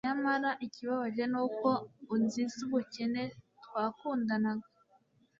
nyamara ikibabaje ni uko unziza ubukene twakundanaga